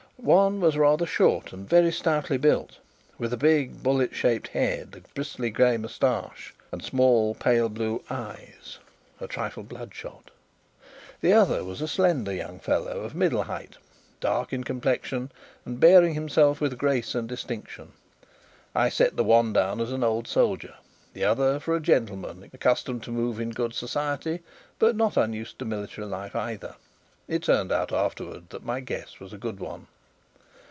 One was rather short and very stoutly built, with a big bullet shaped head, a bristly grey moustache, and small pale blue eyes, a trifle bloodshot. The other was a slender young fellow, of middle height, dark in complexion, and bearing himself with grace and distinction. I set the one down as an old soldier: the other for a gentleman accustomed to move in good society, but not unused to military life either. It turned out afterwards that my guess was a good one.